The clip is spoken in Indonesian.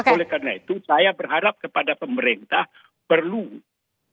oleh karena itu saya berharap kepada pemerintah perlu